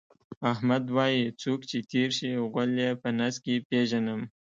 احمد وایي: څوک چې تېر شي، غول یې په نس کې پېژنم.